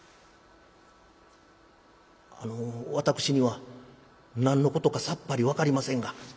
「あの私には何のことかさっぱり分かりませんが」。